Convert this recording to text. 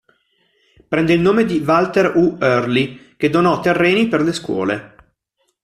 Prende il nome di Walter U. Early, che donò terreni per le scuole.